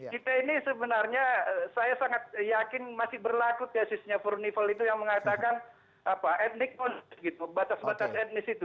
kita ini sebenarnya saya sangat yakin masih berlaku tesisnya fornival itu yang mengatakan etnik pun gitu batas batas etnis itu